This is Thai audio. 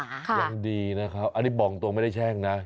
ยังดีนะครับอันนี้บองตัวไม่ได้แช่งนะ